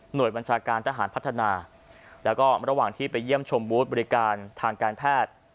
โดยบัญชาการทหารพัฒนาแล้วก็ระหว่างที่ไปเยี่ยมชมบูธบริการทางการแพทย์